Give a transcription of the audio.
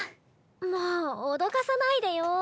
もう脅かさないでよ。